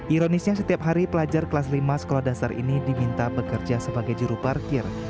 ironisnya setiap hari pelajar kelas lima sekolah dasar ini diminta bekerja sebagai juru parkir